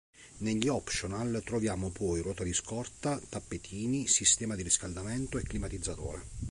Negli optional troviamo poi: ruota di scorta, tappetini, sistema di riscaldamento e climatizzatore.